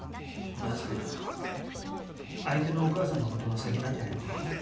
まずは相手のお母さんのことが先なんじゃねえのか？